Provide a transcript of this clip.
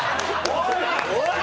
おい！